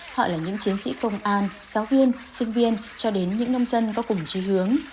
họ là những chiến sĩ công an giáo viên sinh viên cho đến những nông dân có cùng trí hướng